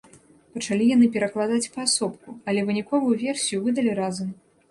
Пачалі яны перакладаць паасобку, але выніковую версію выдалі разам.